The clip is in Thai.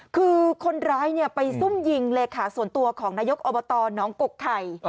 คือคนร้ายไปซุ่มยิงเลขาส่วนตัวของนายกอบตน้องกกไข่